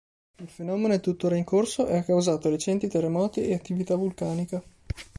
Il fenomeno è tuttora in corso e ha causato recenti terremoti e attività vulcanica.